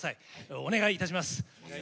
お願いいたします。